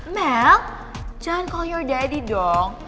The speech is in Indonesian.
mel jangan call your daddy dong